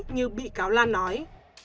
như bị cáo lan nói